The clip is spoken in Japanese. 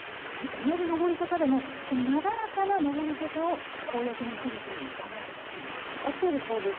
同じ上り坂でも、なだらかな上り坂を攻略の糸口考えてたわけそうですね。